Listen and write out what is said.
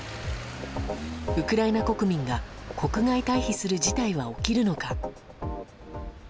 ウクライナ国民が国外退避する事態は起きるのか。